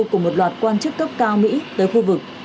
của một loạt quan chức cấp cao mỹ tới khu vực